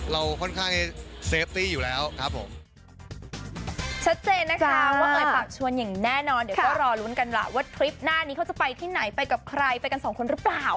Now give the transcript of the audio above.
เราค่อนข้างเซฟตี้อยู่แล้วครับผม